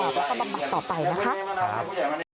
และก็บำบัดต่อไปนะครับ